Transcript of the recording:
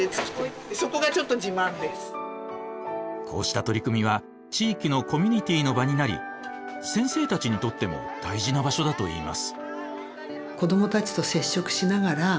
こうした取り組みは地域のコミュニティーの場になり先生たちにとっても大事な場所だといいます。